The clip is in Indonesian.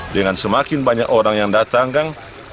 dengan semakin banyak orang yang datang kang